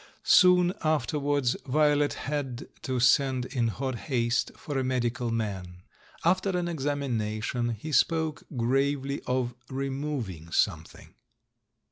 Soon afterwards Violet had to send in hot haste for a medical man. After an examination, he spoke gravely of removing something.